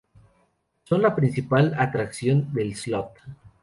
Son la principal atracción del slot.